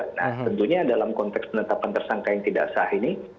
nah tentunya dalam konteks penetapan tersangka yang tidak sah ini